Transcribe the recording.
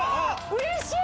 うれしい！